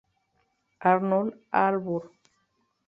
Arnold Arbor.